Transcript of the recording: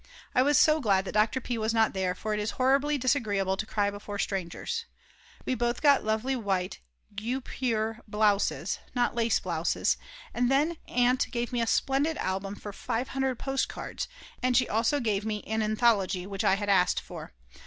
I was so glad that Dr. P. was not there, for it is horribly disagreeable to cry before strangers. We both got lovely white guipure blouses, not lace blouses, then Aunt gave me a splendid album for 500 postcards, and she also gave me an anthology which I had asked for.